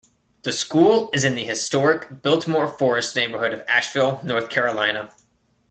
The school is in the historic Biltmore Forest neighborhood of Asheville, North Carolina.